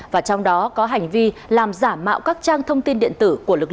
và trong đó có hành vi làm giả mạo các trang thông tin điện tử